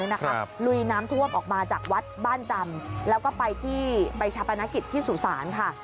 ลุยน้ำท่วมออกมาจากวัดบ้านจำแล้วก็ไปที่ไปชาปนกิจที่สุสานค่ะ